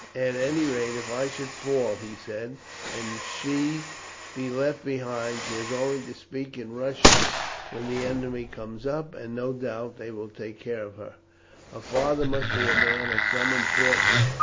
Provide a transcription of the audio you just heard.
"At any rate, if I should fall," he said, "and she be left behind, she has only to speak in Russian when the enemy come up, and no doubt they will take care of her. Her father must be a man of some importance.